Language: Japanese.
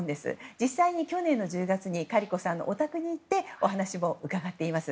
実際に去年１０月にカリコさんのお宅に行ってお話を伺っています。